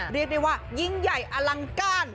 เรียกได้ว่ายิ่งใหญ่อลังการ